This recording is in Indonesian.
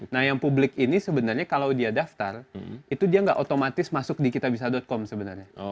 nah yang publik ini sebenarnya kalau dia daftar itu dia nggak otomatis masuk di kitabisa com sebenarnya